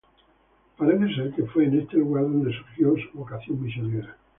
Parece ser que fue en este lugar donde surgió su vocación misionera.